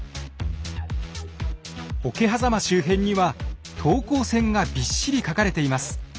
桶狭間周辺には等高線がびっしり描かれています。